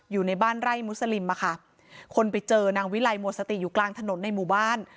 อยู่ในบ้านไร่มุสลิมอะค่ะคนไปเจอนางวิลัยหมดสติอยู่กลางถนนในหมู่บ้าน